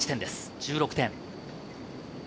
１６点。